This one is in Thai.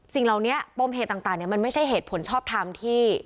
สิ่งเหล่านี้ปมเหตุต่างมันไม่ใช่เหตุผลชอบทำที่